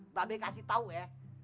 mba be kasih tau ya